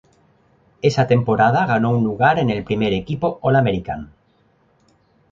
Esa temporada ganó un lugar en el Primer Equipo All-American.